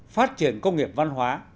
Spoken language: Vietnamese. phát triển công nghiệp văn hóa